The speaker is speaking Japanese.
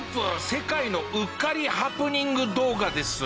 世界のうっかりハプニング動画です。